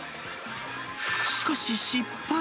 しかし、失敗。